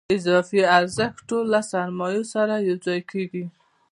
اضافي ارزښت ټول له سرمایې سره یوځای کېږي